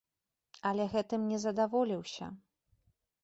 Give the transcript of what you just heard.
Але гэтым не задаволіўся.